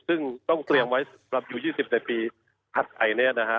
ซึ่งต้องเตรียมไว้สำหรับอยู่๒๐ในปีถัดไปเนี่ยนะฮะ